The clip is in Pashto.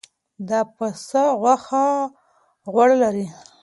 د پسه غوښه غوړ لري.